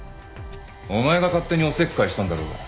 お前が勝手におせっかいしたんだろうが。